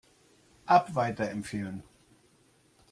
App weiterempfehlen.